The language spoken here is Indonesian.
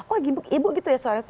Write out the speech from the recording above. oh ibu gitu ya suaranya